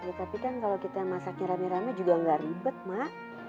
tapi kan kalau kita masaknya rame rame juga nggak ribet mak